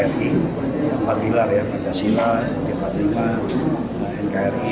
yang panggilar ya pancasila jepang nkri